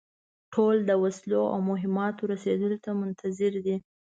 ټول د وسلو او مهماتو رسېدلو ته منتظر دي.